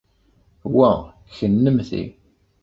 Wa, kennemti!